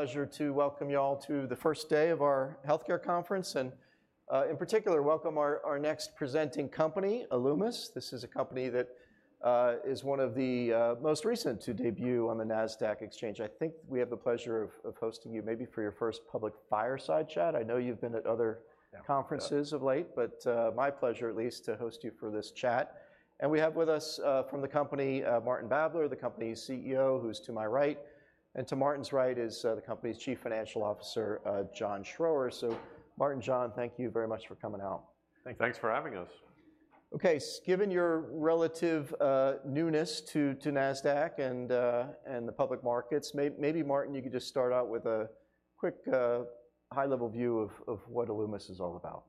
Pleasure to welcome you all to the first day of our healthcare conference, and in particular, welcome our next presenting company, Alumis. This is a company that is one of the most recent to debut on the Nasdaq exchange. I think we have the pleasure of hosting you maybe for your first public fireside chat. I know you've been at other. Yeah. Conferences of late, but, my pleasure at least to host you for this chat. And we have with us, from the company, Martin Babler, the company's CEO, who's to my right, and to Martin's right is, the company's Chief Financial Officer, John Schroer. So Martin, John, thank you very much for coming out. Thank you. Thanks for having us. Okay, given your relative newness to Nasdaq and the public markets, maybe Martin, you could just start out with a quick high level view of what Alumis is all about.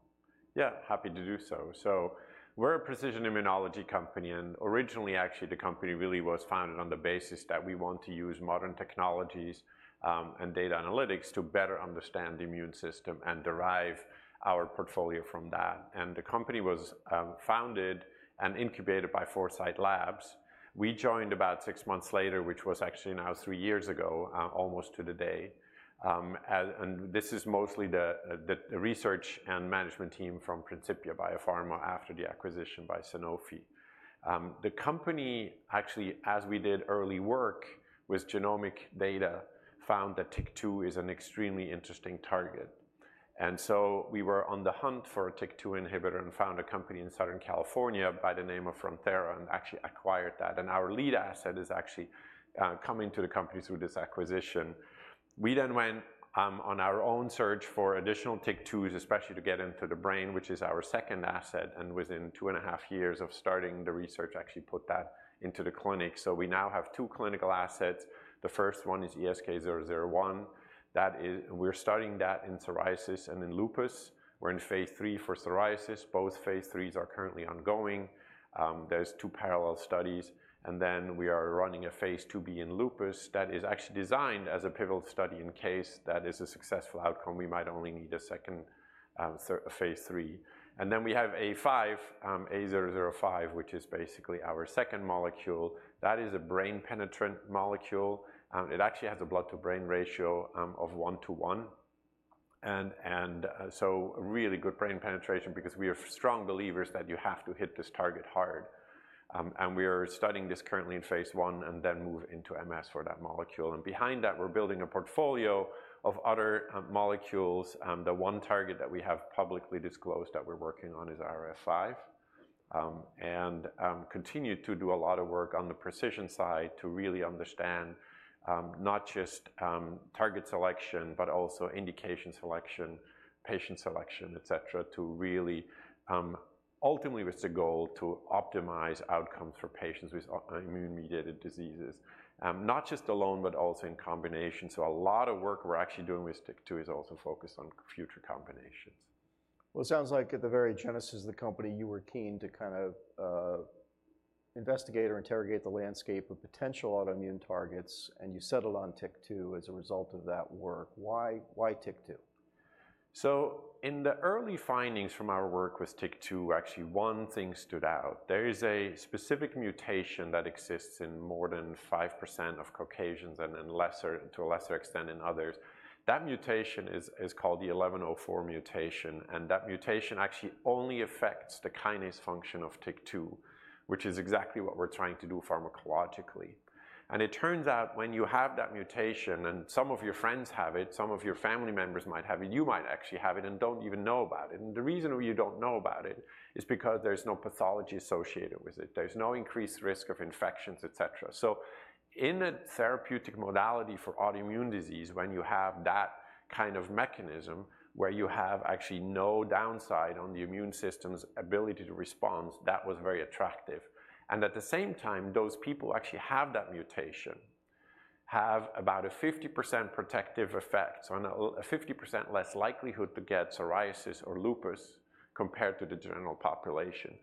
Yeah, happy to do so. So we're a precision immunology company, and originally, actually, the company really was founded on the basis that we want to use modern technologies, and data analytics to better understand the immune system and derive our portfolio from that. And the company was founded and incubated by Foresight Labs. We joined about six months later, which was actually now three years ago, almost to the day. And this is mostly the research and management team from Principia Biopharma after the acquisition by Sanofi. The company, actually, as we did early work with genomic data, found that TYK2 is an extremely interesting target. And so we were on the hunt for a TYK2 inhibitor and found a company in Southern California by the name of Frontier and actually acquired that. And our lead asset is actually coming to the company through this acquisition. We then went on our own search for additional TYK2s, especially to get into the brain, which is our second asset, and within 2.5 years of starting the research, actually put that into the clinic. So we now have two clinical assets. The first one is ESK-001. That is, we're studying that in psoriasis and in lupus. We're in phase III for psoriasis. Both phase IIIs are currently ongoing. There's two parallel studies, and then we are running a phase IIb in lupus that is actually designed as a pivotal study. In case that is a successful outcome, we might only need a second, a phase III. And then we have A-005, which is basically our second molecule. That is a brain-penetrant molecule. It actually has a blood-to-brain ratio of one to one, and so really good brain penetration because we are strong believers that you have to hit this target hard. We are studying this currently in phase I, and then move into MS for that molecule, and behind that, we're building a portfolio of other molecules. The one target that we have publicly disclosed that we're working on is IRF5, and continue to do a lot of work on the precision side to really understand not just target selection, but also indication selection, patient selection, et cetera, to really ultimately, with the goal to optimize outcomes for patients with autoimmune-mediated diseases, not just alone, but also in combination. A lot of work we're actually doing with TYK2 is also focused on future combinations. It sounds like at the very genesis of the company, you were keen to kind of investigate or interrogate the landscape of potential autoimmune targets, and you settled on TYK2 as a result of that work. Why, why TYK2? So in the early findings from our work with TYK2, actually one thing stood out. There is a specific mutation that exists in more than 5% of Caucasians and in lesser, to a lesser extent in others. That mutation is called the 1104 mutation, and that mutation actually only affects the kinase function of TYK2, which is exactly what we're trying to do pharmacologically. And it turns out, when you have that mutation, and some of your friends have it, some of your family members might have it, you might actually have it and don't even know about it. And the reason why you don't know about it is because there's no pathology associated with it. There's no increased risk of infections, etc. In a therapeutic modality for autoimmune disease, when you have that kind of mechanism, where you have actually no downside on the immune system's ability to respond, that was very attractive. At the same time, those people who actually have that mutation have about a 50% protective effect, so a 50% less likelihood to get psoriasis or lupus compared to the general population.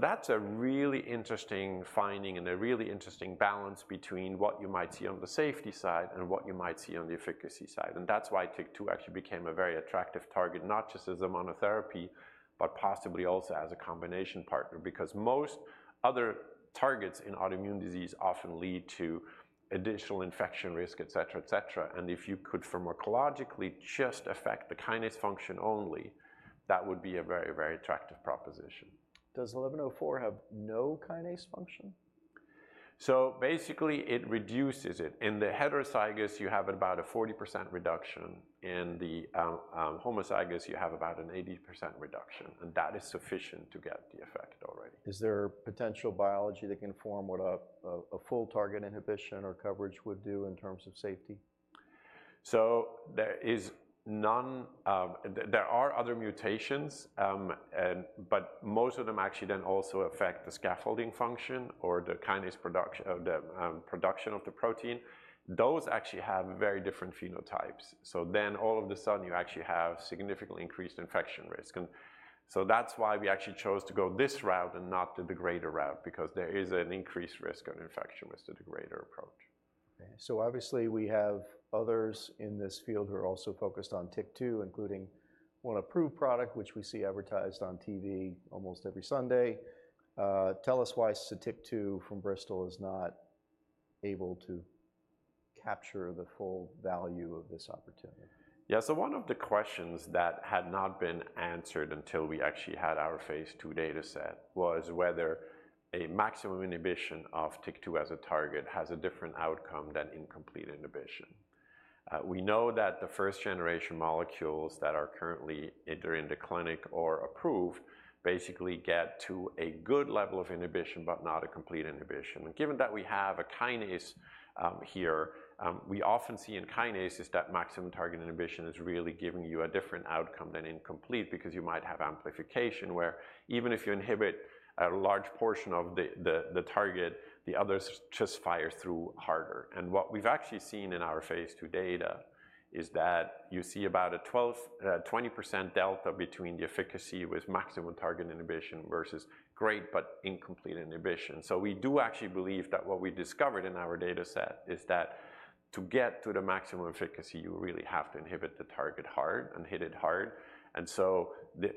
That's a really interesting finding and a really interesting balance between what you might see on the safety side and what you might see on the efficacy side. That's why TYK2 actually became a very attractive target, not just as a monotherapy, but possibly also as a combination partner, because most other targets in autoimmune disease often lead to additional infection risk, et cetera, et cetera. If you could pharmacologically just affect the kinase function only, that would be a very, very attractive proposition. Does 1104 have no kinase function? So basically, it reduces it. In the heterozygous, you have about a 40% reduction. In the homozygous, you have about an 80% reduction, and that is sufficient to get the effect already. Is there potential biology that can inform what a full target inhibition or coverage would do in terms of safety? There is none. There are other mutations, and but most of them actually then also affect the scaffolding function or the kinase production or the production of the protein. Those actually have very different phenotypes. All of a sudden, you actually have significantly increased infection risk. That's why we actually chose to go this route and not the degrader route, because there is an increased risk of infection with the degrader approach. Okay. So obviously, we have others in this field who are also focused on TYK2, including one approved product, which we see advertised on TV almost every Sunday. Tell us why SOTYKTU from Bristol is not able to capture the full value of this opportunity? Yeah, so one of the questions that had not been answered until we actually had our phase II dataset was whether a maximum inhibition of TYK2 as a target has a different outcome than incomplete inhibition. We know that the first generation molecules that are currently either in the clinic or approved basically get to a good level of inhibition, but not a complete inhibition. And given that we have a kinase, we often see in kinases that maximum target inhibition is really giving you a different outcome than incomplete, because you might have amplification, where even if you inhibit a large portion of the target, the others just fire through harder. And what we've actually seen in our phase II data is that you see about a 12%-20% delta between the efficacy with maximum target inhibition versus great, but incomplete inhibition. So we do actually believe that what we discovered in our dataset is that to get to the maximum efficacy, you really have to inhibit the target hard and hit it hard. And so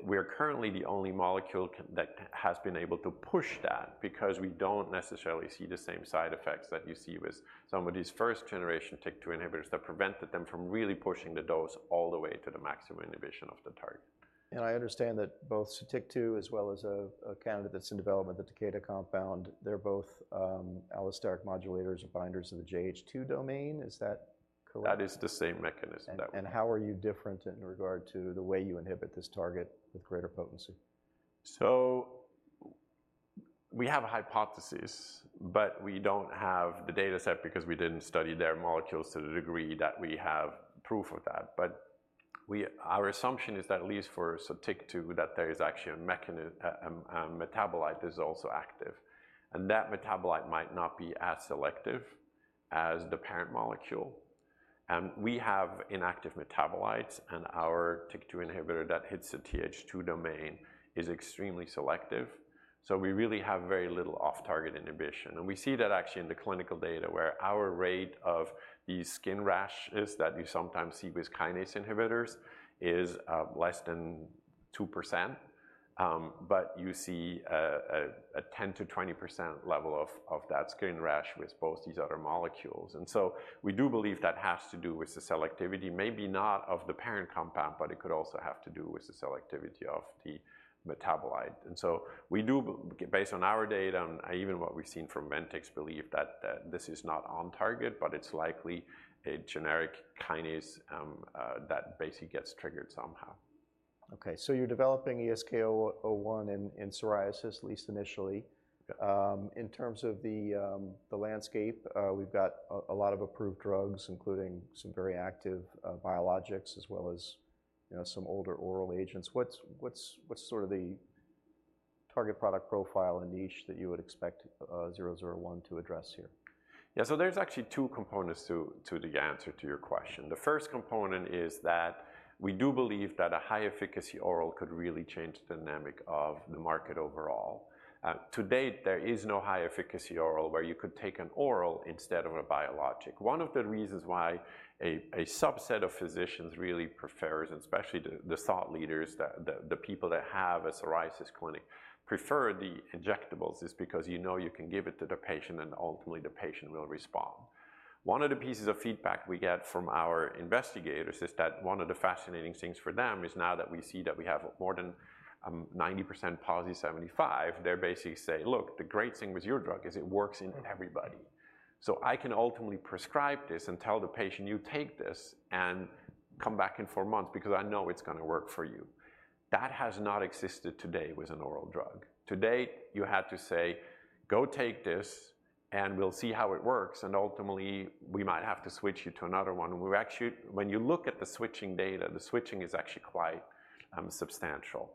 we are currently the only molecule that can, that has been able to push that, because we don't necessarily see the same side effects that you see with some of these first generation TYK2 inhibitors that prevented them from really pushing the dose all the way to the maximum inhibition of the target. I understand that both SOTYKTU, as well as a candidate that's in development, the Takeda compound, they're both allosteric modulators or binders of the JH2 domain. Is that correct? That is the same mechanism, that one. How are you different in regard to the way you inhibit this target with greater potency? So we have a hypothesis, but we don't have the dataset because we didn't study their molecules to the degree that we have proof of that. But our assumption is that, at least for SOTYKTU, that there is actually a metabolite that is also active, and that metabolite might not be as selective as the parent molecule. And we have inactive metabolites, and our TYK2 inhibitor that hits the JH2 domain is extremely selective, so we really have very little off-target inhibition. And we see that actually in the clinical data, where our rate of these skin rashes that you sometimes see with kinase inhibitors is less than 2%. But you see a 10%-20% level of that skin rash with both these other molecules. And so we do believe that has to do with the selectivity, maybe not of the parent compound, but it could also have to do with the selectivity of the metabolite. And so we do, based on our data and even what we've seen from Ventyx, believe that this is not on target, but it's likely a generic kinase that basically gets triggered somehow. Okay, so you're developing ESK-001 in psoriasis, at least initially. Yeah. In terms of the landscape, we've got a lot of approved drugs, including some very active biologics, as well as, you know, some older oral agents. What's sort of the target product profile and niche that you would expect 001 to address here? Yeah, so there's actually two components to the answer to your question. The first component is that we do believe that a high-efficacy oral could really change the dynamic of the market overall. To date, there is no high-efficacy oral where you could take an oral instead of a biologic. One of the reasons why a subset of physicians really prefers, and especially the people that have a psoriasis clinic, prefer the injectables, is because you know you can give it to the patient, and ultimately the patient will respond. One of the pieces of feedback we get from our investigators is that one of the fascinating things for them is now that we see that we have more than 90% PASI 75, they basically say, "Look, the great thing with your drug is it works in everybody. I can ultimately prescribe this and tell the patient, "You take this and come back in four months, because I know it's gonna work for you." That has not existed today with an oral drug. Today, you had to say, "Go take this, and we'll see how it works, and ultimately, we might have to switch you to another one." We're actually. When you look at the switching data, the switching is actually quite substantial.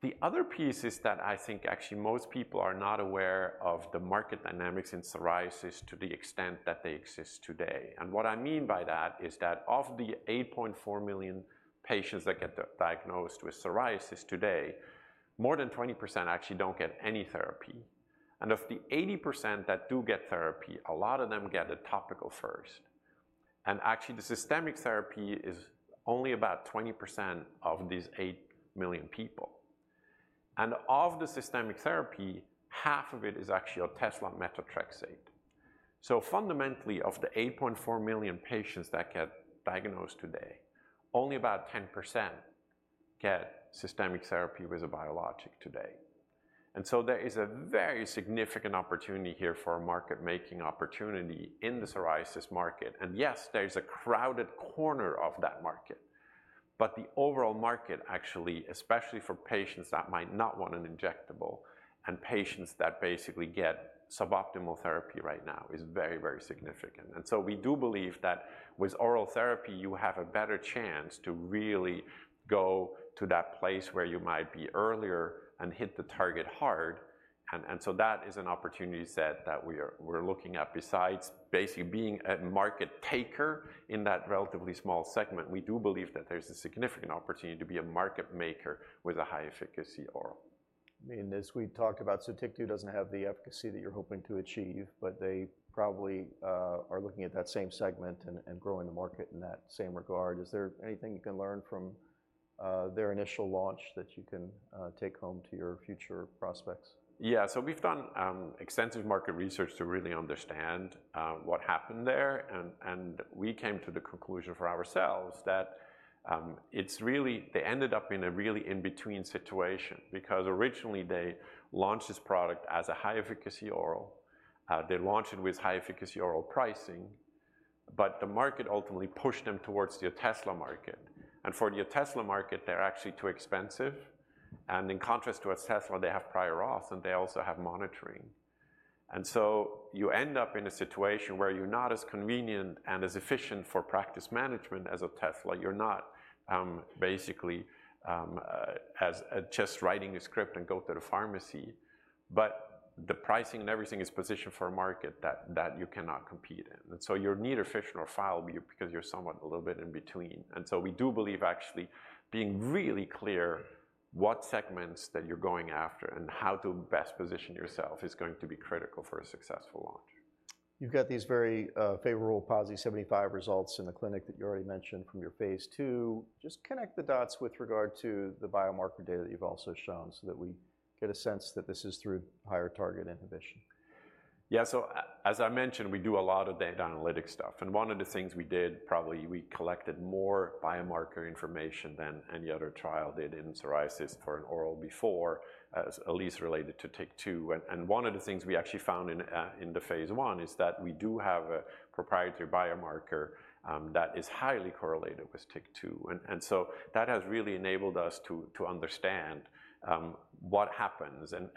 The other piece is that I think actually most people are not aware of the market dynamics in psoriasis to the extent that they exist today. And what I mean by that is that of the 8.4 million patients that get diagnosed with psoriasis today, more than 20% actually don't get any therapy. And of the 80% that do get therapy, a lot of them get a topical first. Actually, the systemic therapy is only about 20% of these 8 million people. Of the systemic therapy, half of it is actually oral methotrexate. Fundamentally, of the 8.4 million patients that get diagnosed today, only about 10% get systemic therapy with a biologic today. There is a very significant opportunity here for a market-making opportunity in the psoriasis market. Yes, there's a crowded corner of that market, but the overall market actually, especially for patients that might not want an injectable and patients that basically get suboptimal therapy right now, is very, very significant. We do believe that with oral therapy, you have a better chance to really go to that place where you might be earlier and hit the target hard. and so that is an opportunity set that we're looking at, besides basically being a market taker in that relatively small segment. We do believe that there's a significant opportunity to be a market maker with a high-efficacy oral. I mean, as we've talked about, SOTYKTU doesn't have the efficacy that you're hoping to achieve, but they probably are looking at that same segment and growing the market in that same regard. Is there anything you can learn from SOTYKTU their initial launch that you can take home to your future prospects? Yeah, so we've done extensive market research to really understand what happened there. And we came to the conclusion for ourselves that it's really, they ended up in a really in-between situation. Because originally, they launched this product as a high-efficacy oral. They launched it with high-efficacy oral pricing, but the market ultimately pushed them towards the Otezla market. And for the Otezla market, they're actually too expensive, and in contrast to Otezla, they have prior auth, and they also have monitoring. And so you end up in a situation where you're not as convenient and as efficient for practice management as Otezla. You're not basically just writing a script and go to the pharmacy, but the pricing and everything is positioned for a market that you cannot compete in. And so you're neither fish nor fowl because you're somewhat a little bit in between. And so we do believe actually being really clear what segments that you're going after and how to best position yourself is going to be critical for a successful launch. You've got these very favorable PASI 75 results in the clinic that you already mentioned from your phase II. Just connect the dots with regard to the biomarker data that you've also shown so that we get a sense that this is through higher target inhibition. Yeah. So as I mentioned, we do a lot of data analytics stuff, and one of the things we did, probably we collected more biomarker information than any other trial they did in psoriasis for an oral before, at least related to TYK2. And one of the things we actually found in the phase I is that we do have a proprietary biomarker that is highly correlated with TYK2. And so that has really enabled us to understand what happens. And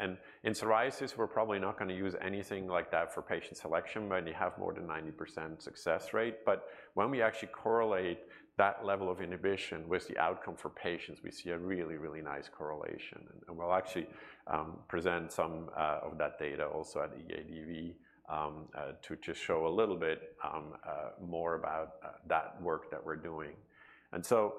in psoriasis, we're probably not gonna use anything like that for patient selection when you have more than 90% success rate. But when we actually correlate that level of inhibition with the outcome for patients, we see a really, really nice correlation, and we'll actually present some of that data also at the EADV to just show a little bit more about that work that we're doing. And so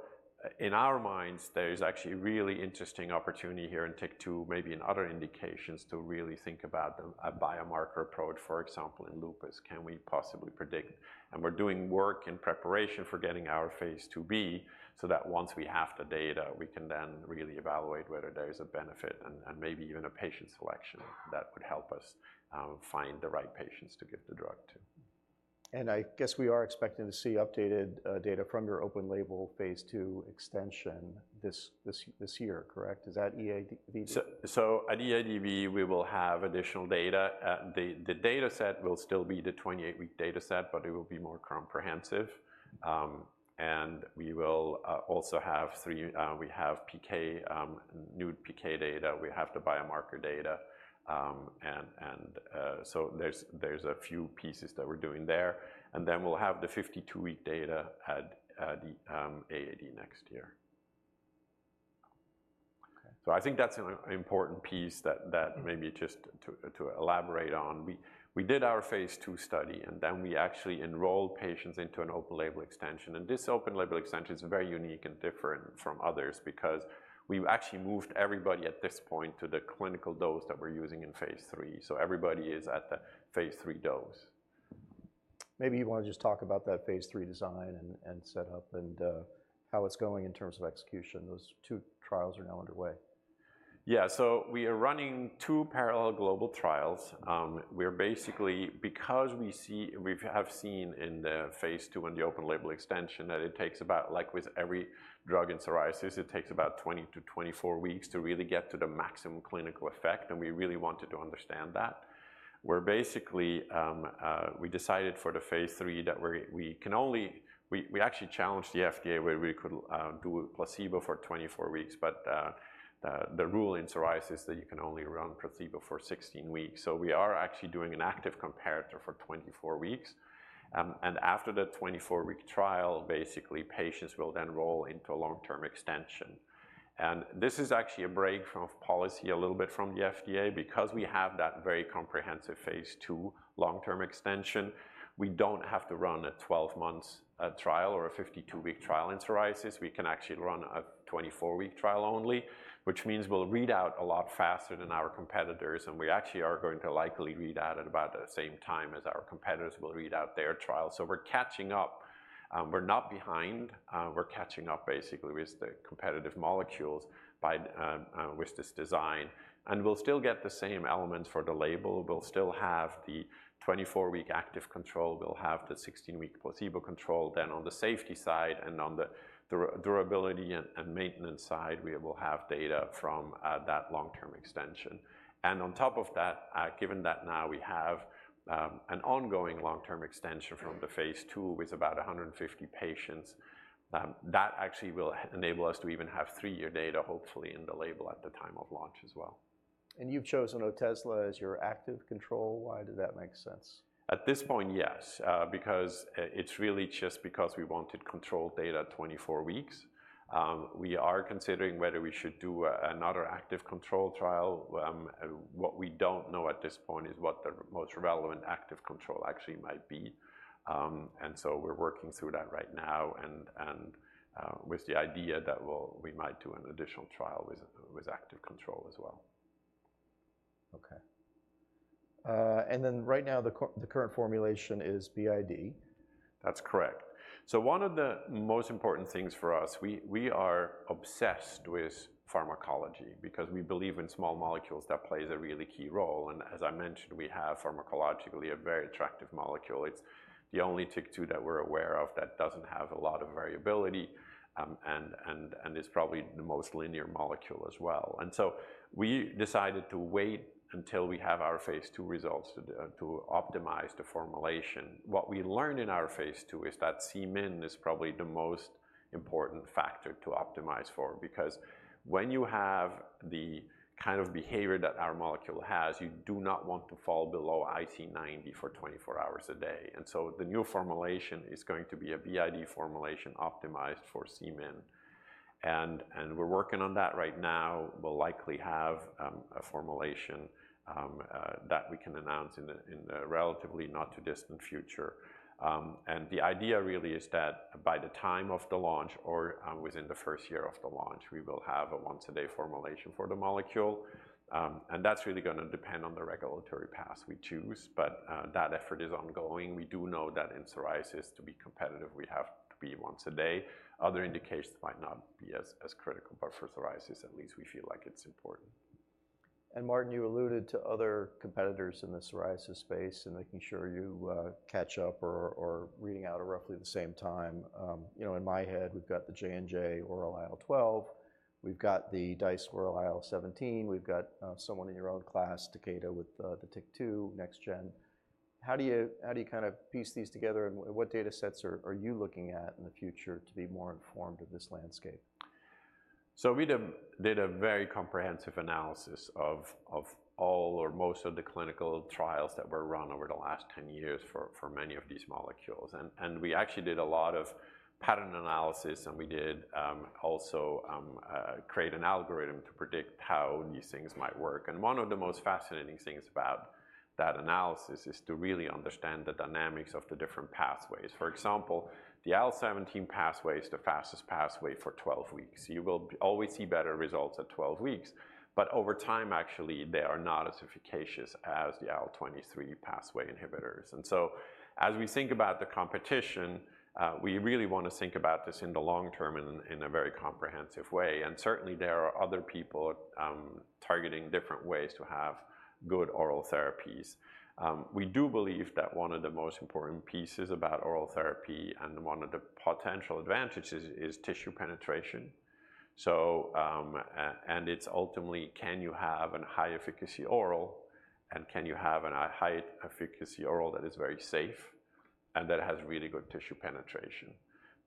in our minds, there is actually a really interesting opportunity here in TYK2, maybe in other indications, to really think about a biomarker approach, for example, in lupus. Can we possibly predict? And we're doing work in preparation for getting our phase IIb, so that once we have the data, we can then really evaluate whether there is a benefit and maybe even a patient selection that would help us find the right patients to give the drug to. And I guess we are expecting to see updated data from your open label phase II extension this year, correct? Is that EADV? At EADV, we will have additional data. The data set will still be the 28-week data set, but it will be more comprehensive, and we will also have three: we have PK, new PK data. We have the biomarker data, and so there's a few pieces that we're doing there, and then we'll have the 52-week data at the AAD next year. Okay. So I think that's an important piece that maybe just to elaborate on. We did our phase II study, and then we actually enrolled patients into an open-label extension. And this open-label extension is very unique and different from others because we've actually moved everybody at this point to the clinical dose that we're using in phase III. So everybody is at the phase III dose. Maybe you wanna just talk about that phase III design and setup and how it's going in terms of execution. Those two trials are now underway. Yeah. So we are running two parallel global trials. Because we see we have seen in the phase II, in the open label extension, that it takes about, like with every drug in psoriasis, it takes about 20 to 24 weeks to really get to the maximum clinical effect, and we really wanted to understand that. We're basically we decided for the phase III that we can only we actually challenged the FDA where we could do a placebo for 24 weeks, but the rule in psoriasis is that you can only run placebo for 16 weeks. So we are actually doing an active comparator for 24 weeks, and after the twenty-four-week trial, basically, patients will then roll into a long-term extension, and this is actually a break of policy a little bit from the FDA. Because we have that very comprehensive phase II long-term extension, we don't have to run a 12-month trial or a 52-week trial in psoriasis. We can actually run a 24-week trial only, which means we'll read out a lot faster than our competitors, and we actually are going to likely read out at about the same time as our competitors will read out their trial, so we're catching up. We're not behind. We're catching up basically with the competitive molecules by, with this design, and we'll still get the same elements for the label. We'll still have the 24-week active control. We'll have the 16-week placebo control. Then on the safety side and on the durability and maintenance side, we will have data from that long-term extension. On top of that, given that now we have an ongoing long-term extension from the phase II with about 150 patients, that actually will enable us to even have three-year data, hopefully, in the label at the time of launch as well. You've chosen Otezla as your active control. Why did that make sense? At this point, yes, because it's really just because we wanted control data at 24 weeks. We are considering whether we should do another active control trial. What we don't know at this point is what the most relevant active control actually might be. And so we're working through that right now and with the idea that we might do an additional trial with active control as well. Okay. And then right now, the current formulation is BID? That's correct. So one of the most important things for us, we are obsessed with pharmacology because we believe in small molecules that plays a really key role. And as I mentioned, we have pharmacologically a very attractive molecule. It's the only TYK2 that we're aware of that doesn't have a lot of variability, and is probably the most linear molecule as well. And so we decided to wait until we have our phase II results to optimize the formulation. What we learned in our phase II is that Cmin is probably the most important factor to optimize for, because when you have the kind of behavior that our molecule has, you do not want to fall below IC 90 for 24 hours a day. And so the new formulation is going to be a BID formulation optimized for Cmin. We're working on that right now. We'll likely have a formulation that we can announce in the relatively not too distant future. The idea really is that by the time of the launch or within the first year of the launch, we will have a once-a-day formulation for the molecule. That's really gonna depend on the regulatory path we choose, but that effort is ongoing. We do know that in psoriasis, to be competitive, we have to be once a day. Other indications might not be as critical, but for psoriasis, at least we feel like it's important. And Martin, you alluded to other competitors in the psoriasis space and making sure you catch up or reading out at roughly the same time. You know, in my head, we've got the J&J oral IL-12, we've got the Dice oral IL-17, we've got someone in your own class, Takeda, with the TYK2 next gen. How do you kind of piece these together, and what data sets are you looking at in the future to be more informed of this landscape? So we did a very comprehensive analysis of all or most of the clinical trials that were run over the last 10 years for many of these molecules. And we actually did a lot of pattern analysis, and we also created an algorithm to predict how these things might work. And one of the most fascinating things about that analysis is to really understand the dynamics of the different pathways. For example, the IL-17 pathway is the fastest pathway for 12 weeks. You will always see better results at 12 weeks, but over time, actually, they are not as efficacious as the IL-23 pathway inhibitors. And so as we think about the competition, we really wanna think about this in the long term and in a very comprehensive way. And certainly, there are other people targeting different ways to have good oral therapies. We do believe that one of the most important pieces about oral therapy and one of the potential advantages is tissue penetration. So, and it's ultimately, can you have a high-efficacy oral, and can you have a high-efficacy oral that is very safe and that has really good tissue penetration?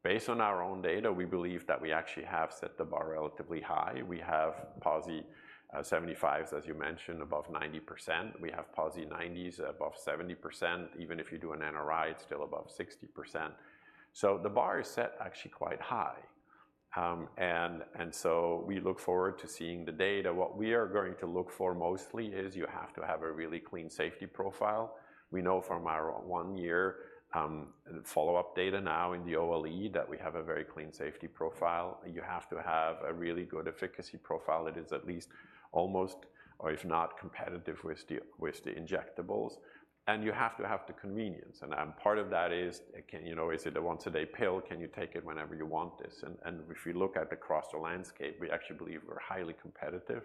Based on our own data, we believe that we actually have set the bar relatively high. We have PASI 75, as you mentioned, above 90%. We have PASI 90 above 70%. Even if you do an NRI, it's still above 60%. So the bar is set actually quite high. And so we look forward to seeing the data. What we are going to look for mostly is you have to have a really clean safety profile. We know from our one-year follow-up data now in the OLE that we have a very clean safety profile. You have to have a really good efficacy profile that is at least almost, or if not competitive with the, with the injectables, and you have to have the convenience and part of that is, You know, is it a once-a-day pill? Can you take it whenever you want this? and if you look at across the landscape, we actually believe we're highly competitive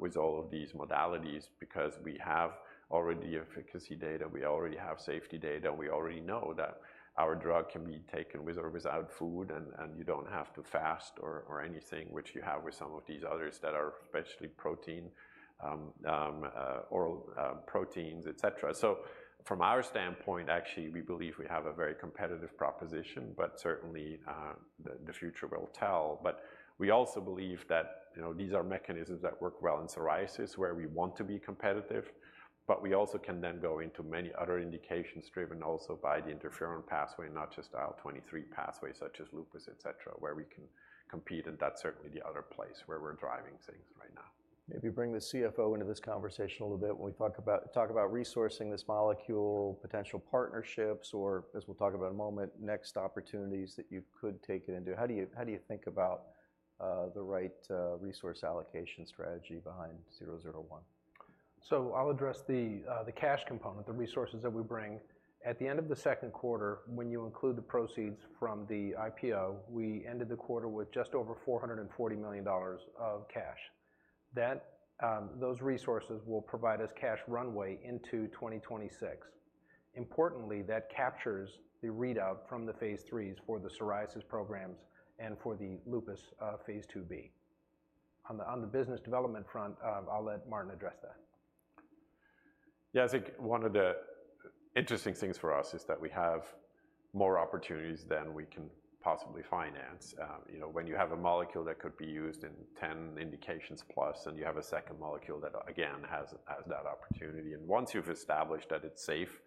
with all of these modalities because we have already efficacy data, we already have safety data, we already know that our drug can be taken with or without food, and you don't have to fast or anything, which you have with some of these others that are especially protein oral proteins, et cetera. So from our standpoint, actually, we believe we have a very competitive proposition, but certainly, the future will tell. But we also believe that, you know, these are mechanisms that work well in psoriasis, where we want to be competitive, but we also can then go into many other indications driven also by the interferon pathway, not just IL-23 pathway, such as lupus, et cetera, where we can compete, and that's certainly the other place where we're driving things right now. Maybe bring the CFO into this conversation a little bit when we talk about resourcing this molecule, potential partnerships, or as we'll talk about in a moment, next opportunities that you could take it into. How do you think about the right resource allocation strategy behind 001? So I'll address the cash component, the resources that we bring. At the end of the second quarter, when you include the proceeds from the IPO, we ended the quarter with just over $440 million of cash. That. Those resources will provide us cash runway into 2026. Importantly, that captures the readout from the phase IIIs for the psoriasis programs and for the lupus phase IIb. On the business development front, I'll let Martin address that. Yeah, I think one of the interesting things for us is that we have more opportunities than we can possibly finance. You know, when you have a molecule that could be used in 10 indications plus, and you have a second molecule that, again, has that opportunity, and once you've established that it's safe,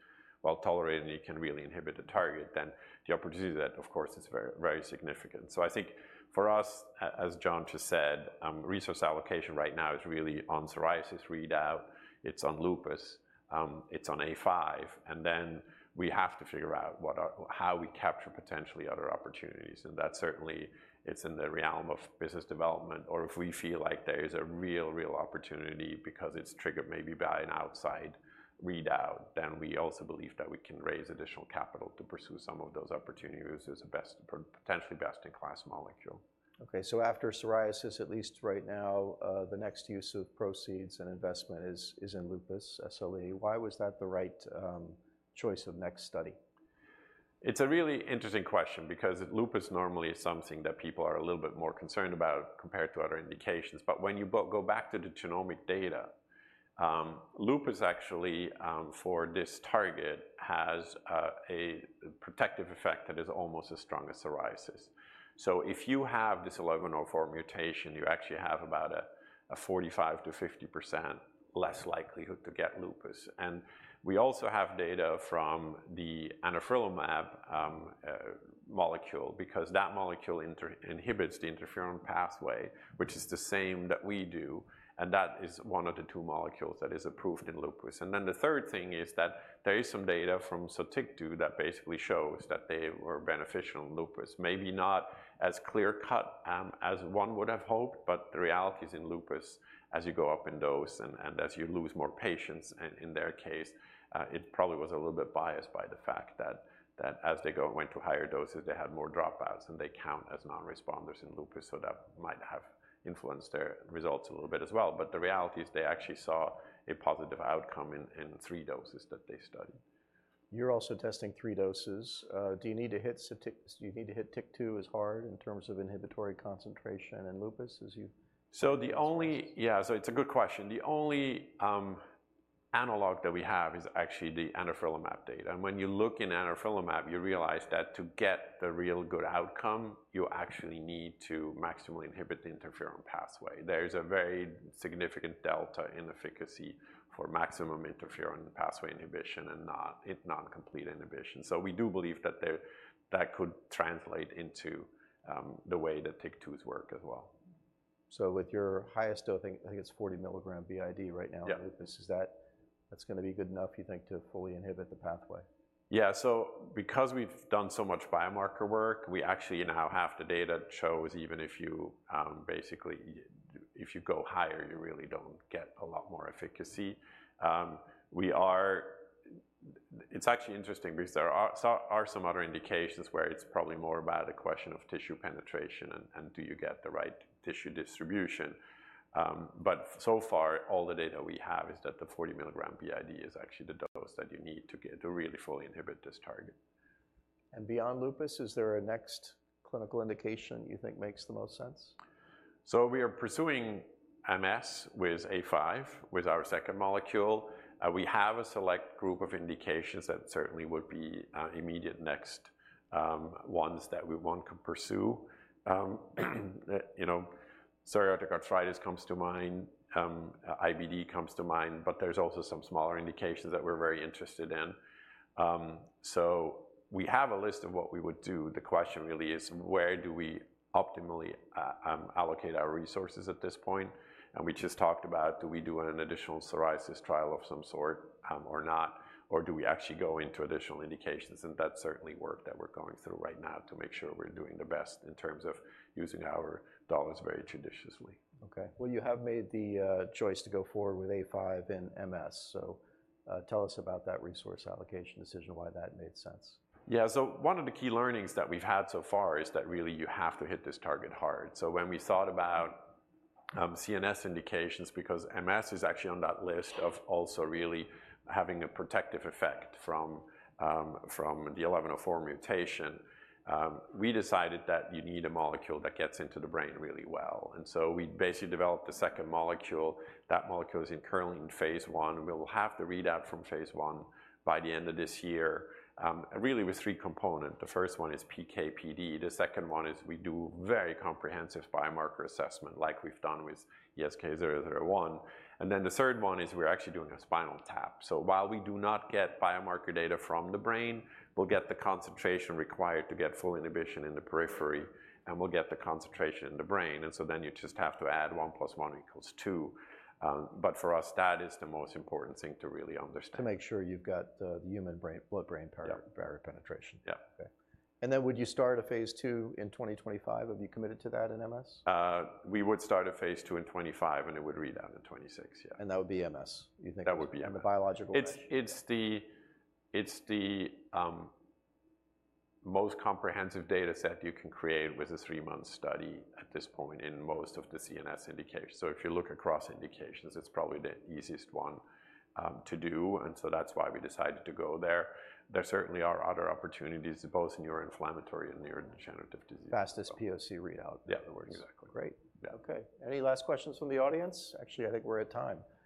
well-tolerated, and it can really inhibit the target, then the opportunity that, of course, is very, very significant. So I think for us, as John just said, resource allocation right now is really on psoriasis readout, it's on lupus, it's on A-005, and then we have to figure out how we capture potentially other opportunities. That certainly is in the realm of business development, or if we feel like there is a real, real opportunity because it's triggered maybe by an outside readout, then we also believe that we can raise additional capital to pursue some of those opportunities as a best, potentially best-in-class molecule. Okay, so after psoriasis, at least right now, the next use of proceeds and investment is in lupus. So why was that the right choice of next study? It's a really interesting question because lupus normally is something that people are a little bit more concerned about compared to other indications. But when you go back to the genomic data, lupus actually, for this target, has a protective effect that is almost as strong as psoriasis. So if you have this eleven oh four mutation, you actually have about a 45%-50% less likelihood to get lupus. And we also have data from the anifrolumab molecule, because that molecule inhibits the interferon pathway, which is the same that we do, and that is one of the two molecules that is approved in lupus. And then the third thing is that there is some data from SOTYKTU that basically shows that they were beneficial in lupus. Maybe not as clear cut as one would have hoped, but the reality is, in lupus, as you go up in dose and as you lose more patients, and in their case, it probably was a little bit biased by the fact that as they went to higher doses, they had more dropouts, and they count as non-responders in lupus, so that might have influenced their results a little bit as well. But the reality is they actually saw a positive outcome in three doses that they studied. You're also testing three doses. Do you need to hit SOTYKTU? Do you need to hit TYK2 as hard in terms of inhibitory concentration in lupus as you? It's a good question. The only analog that we have is actually the anifrolumab data. When you look in anifrolumab, you realize that to get the real good outcome, you actually need to maximally inhibit the interferon pathway. There's a very significant delta in efficacy for maximum interferon pathway inhibition and not in non-complete inhibition. We do believe that that could translate into the way that TYK2s work as well. With your highest dosing, I think it's 40 milligram BID right now. Yeah In lupus, is that, that's gonna be good enough, you think, to fully inhibit the pathway? Yeah, so because we've done so much biomarker work, we actually, you know how half the data shows, even if you, basically, if you go higher, you really don't get a lot more efficacy. We are - it's actually interesting because there are some other indications where it's probably more about a question of tissue penetration and do you get the right tissue distribution? But so far, all the data we have is that the 40 milligram BID is actually the dose that you need to get to really fully inhibit this target. Beyond lupus, is there a next clinical indication you think makes the most sense? We are pursuing MS with A five, with our second molecule. We have a select group of indications that certainly would be immediate next ones that we want to pursue. You know, psoriatic arthritis comes to mind, IBD comes to mind, but there's also some smaller indications that we're very interested in. We have a list of what we would do. The question really is, where do we optimally allocate our resources at this point? We just talked about, do we do an additional psoriasis trial of some sort, or not, or do we actually go into additional indications? That's certainly work that we're going through right now to make sure we're doing the best in terms of using our dollars very judiciously. Okay. You have made the choice to go forward with A-005 in MS, so tell us about that resource allocation decision, why that made sense? Yeah. So one of the key learnings that we've had so far is that really you have to hit this target hard. So when we thought about CNS indications, because MS is actually on that list of also really having a protective effect from the 1104 mutation, we decided that you need a molecule that gets into the brain really well. And so we basically developed a second molecule. That molecule is currently in phase I, and we'll have the readout from phase I by the end of this year. Really with three components. The first one is PK/PD, the second one is we do very comprehensive biomarker assessment like we've done with ESK-001, and then the third one is we're actually doing a spinal tap. So while we do not get biomarker data from the brain, we'll get the concentration required to get full inhibition in the periphery, and we'll get the concentration in the brain. And so then you just have to add one plus one equals two. But for us, that is the most important thing to really understand. To make sure you've got the human brain, blood-brain barrier. Yeah Barrier penetration. Yeah. Okay. And then would you start a phase II in 2025? Have you committed to that in MS? We would start a phase II in 2025, and it would read out in 2026. That would be MS, you think? That would be MS. In the biological? It's the most comprehensive data set you can create with a three-month study at this point in most of the CNS indications. So if you look across indications, it's probably the easiest one to do, and so that's why we decided to go there. There certainly are other opportunities, both in neuroinflammatory and neurodegenerative disease. Fastest POC readout? Yeah In other words. Exactly. Great. Yeah. Okay. Any last questions from the audience? Actually, I think we're at time.